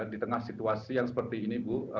di tengah situasi yang seperti ini bu